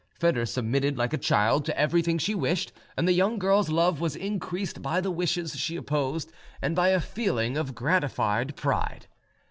Foedor submitted like a child to everything she wished, and the young girl's love was increased by the wishes she opposed and by a feeling of gratified pride.